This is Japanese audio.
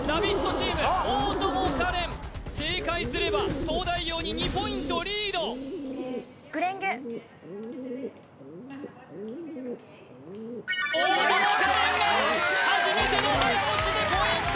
チーム大友花恋正解すれば東大王に２ポイントリード大友花恋が初めての早押しでポイント！